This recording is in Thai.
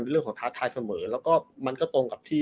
เรื่องของท้าทายเสมอแล้วก็มันก็ตรงกับที่